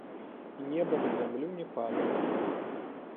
І неба на зямлю не падала.